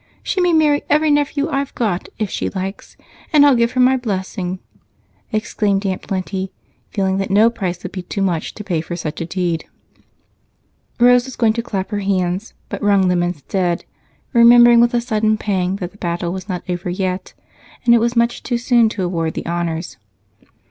She may marry every nephew I've got, if she likes, and I'll give her my blessing," exclaimed Aunt Plenty, feeling that no price would be too much to pay for such a deed. Rose was going to clap her hands, but wrung them instead, remembering with a sudden pang that the battle was not over yet, and it was much too soon to award the honors.